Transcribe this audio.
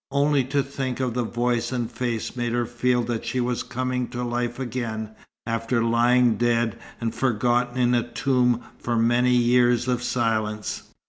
Only to think of the voice and face made her feel that she was coming to life again, after lying dead and forgotten in a tomb for many years of silence.